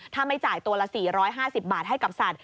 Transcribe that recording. ถ้าไม่จ่ายตัวละ๔๕๐บาทให้กับสัตว